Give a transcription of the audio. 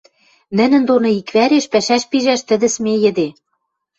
нӹнӹн доно иквӓреш пӓшӓш пижӓш тӹдӹ смейӹде